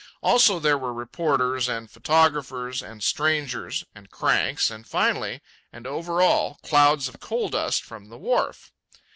Also there were reporters, and photographers, and strangers, and cranks, and finally, and over all, clouds of coal dust from the wharf.